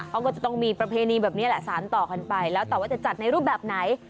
ก็ต้องมีประเพณีแบบนี้แหละสารต่อกันไปแล้วแต่ว่าจะจัดในรูปแบบไหน